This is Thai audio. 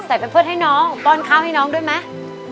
ใส่แผนเพิดให้น้องป้อนข้าวให้น้องด้วยไหม